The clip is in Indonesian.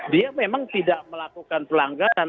dia memang tidak melakukan pelanggaran